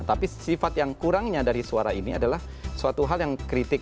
tapi sifat yang kurangnya dari suara ini adalah suatu hal yang kritik